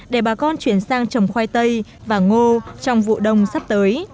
để bà con chuyển sang trồng khoai tây và ngô trong vụ đông sắp tới